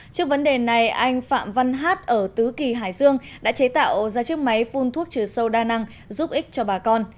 trước vấn đề này anh phạm văn hát ở tứ kỳ hải dương đã chế tạo ra chiếc máy phun thuốc trừ sâu đa năng giúp ích cho bà con